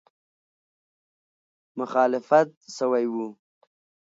مخالفت سوی وو.